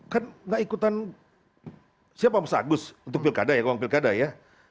kan gak ikutan siapa mas agus untuk pilkada ya uang pilkada ya